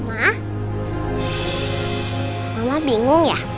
ayo kita liat youtube aja deh